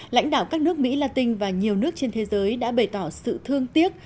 lãnh đạo các nước mỹ la tinh và nhiều nước trên thế giới đã bày tỏ sự thương tiếc